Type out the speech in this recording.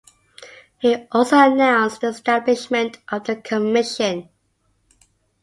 He also announced the establishment of the commission.